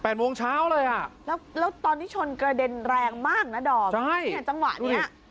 โมงเช้าเลยอ่ะแล้วแล้วตอนที่ชนกระเด็นแรงมากนะดอมใช่เนี่ยจังหวะเนี้ย